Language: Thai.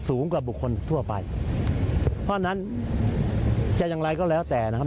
สูงกว่าบุคคลทั่วไปเพราะฉะนั้นจะอย่างไรก็แล้วแต่นะครับ